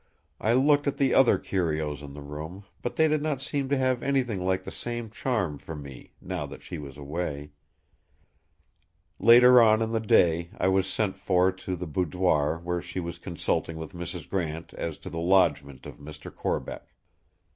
I looked at the other curios in the room; but they did not seem to have anything like the same charm for me, now that she was away. Later on in the day I was sent for to the boudoir where she was consulting with Mrs. Grant as to the lodgment of Mr. Corbeck.